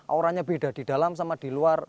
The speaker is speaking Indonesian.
auranya beda di dalam sama di luar